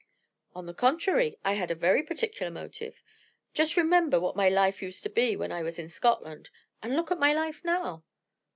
"On the contrary, I had a very particular motive. Just remember what my life used to be when I was in Scotland and look at my life now!